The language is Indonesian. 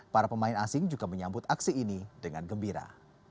para pemain asing juga menyambut aksi ini dengan gembira